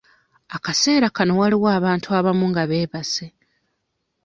Akaseera kano waliwo abantu abamu nga beebase.